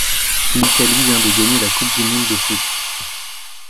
L'Italie vient de gagner la coupe du monde de foot.